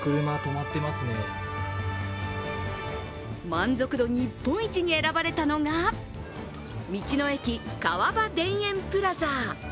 満足度日本一に選ばれたのが道の駅川場田園プラザ。